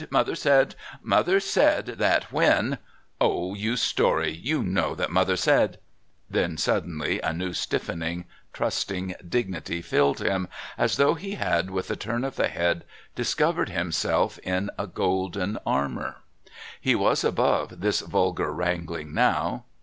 Mother said " "Mother said that when " "Oh, you story. You know that Mother said " Then suddenly a new, stiffening, trusting dignity filled him, as though he had with a turn of the head discovered himself in golden armour. He was above this vulgar wrangling now.